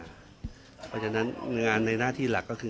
เพราะฉะนั้นงานในหน้าที่หลักก็คือ